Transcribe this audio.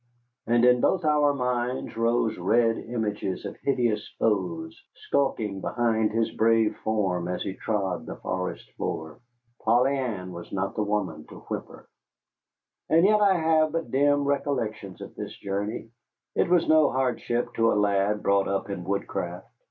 And in both our minds rose red images of hideous foes skulking behind his brave form as he trod the forest floor. Polly Ann was not the woman to whimper. And yet I have but dim recollections of this journey. It was no hardship to a lad brought up in woodcraft.